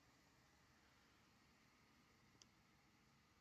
山田五十铃是首位获得文化勋章的女演员。